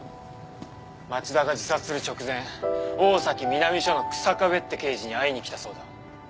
町田が自殺する直前大崎南署の草壁って刑事に会いに来たそうだ。